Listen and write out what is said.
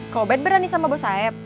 kau bet berani sama bos saeb